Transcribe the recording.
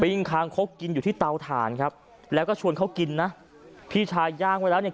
คางคกกินอยู่ที่เตาถ่านครับแล้วก็ชวนเขากินนะพี่ชายย่างไว้แล้วเนี่ย